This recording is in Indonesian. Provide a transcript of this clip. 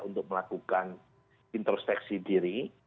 untuk melakukan introspeksi diri